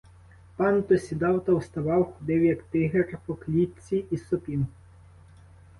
Пан то сідав, то вставав, ходив, як тигр по клітці, і сопів.